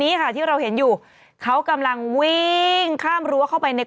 นี่กับทุกคนเราไม่แบบ